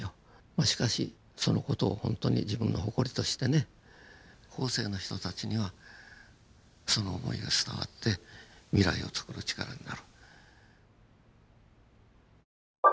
しかしその事をほんとに自分の誇りとしてね後世の人たちにはその思いが伝わって未来をつくる力になる。